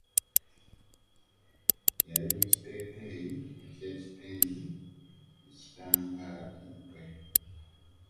Yali mu kiteeteeyi eky'ekitengi n'ekitambaala ku mutwe.